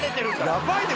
やばいね